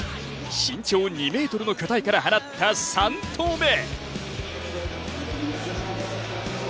身長２ｍの巨体から放った３投目。